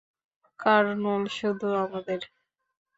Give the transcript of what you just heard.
কারনুল শুধু আমাদের!